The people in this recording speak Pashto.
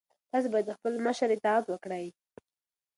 تاسو باید د خپل مشر اطاعت وکړئ.